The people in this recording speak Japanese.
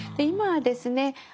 今はですね